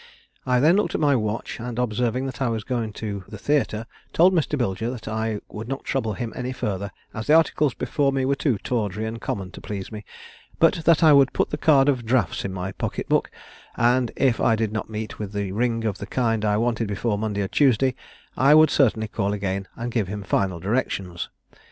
I then looked at my watch, and, observing that I was going to the theatre, told Mr. Bilger that I would not trouble him any further, as the articles before me were too tawdry and common to please me, but that I would put the card of draughts in my pocket book; and, if I did not meet with a ring of the kind I wanted before Monday or Tuesday, I would certainly call again and give him final directions.